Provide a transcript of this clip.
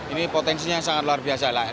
ini potensinya sangat luar biasa lah